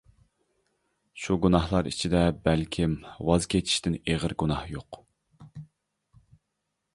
شۇ گۇناھلار ئىچىدە بەلكىم، ۋاز كېچىشتىن ئېغىر گۇناھ يوق.